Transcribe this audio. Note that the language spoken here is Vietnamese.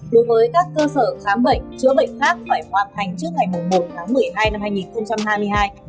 đối với các cơ sở khám bệnh chữa bệnh khác phải hoàn thành trước ngày một tháng một mươi hai năm hai nghìn hai mươi hai